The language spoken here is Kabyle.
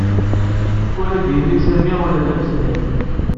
Ur d-yenni Sami ula d ameslay.